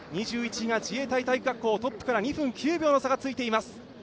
自衛隊体育学校トップから２分９秒の差がついています。